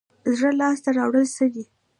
زړه لاس ته راوړل څه دي؟